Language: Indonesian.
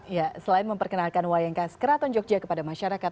ya selain memperkenalkan wayang kaskeraton jogja kepada masyarakat